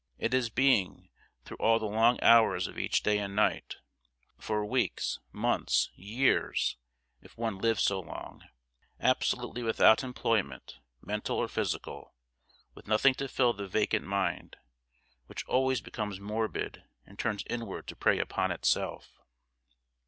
It is being, through all the long hours of each day and night for weeks, months, years, if one lives so long absolutely without employment, mental or physical with nothing to fill the vacant mind, which always becomes morbid and turns inward to prey upon itself.